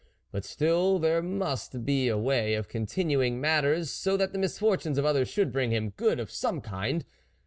But still, there must be a way of con tinuing matters, so that the misfortunes of others should bring him good of some kind.